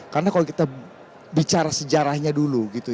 karena kalau kita bicara sejarahnya dulu gitu ya